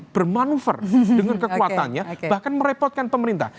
bermanuver dengan kekuatannya bahkan merepotkan pemerintah